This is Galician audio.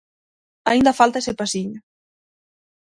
Aínda falta ese pasiño.